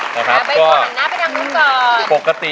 ไปก่อนนะไปนั่งดูก่อน